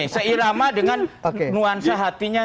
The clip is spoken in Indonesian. seirama dengan nuansa hatinya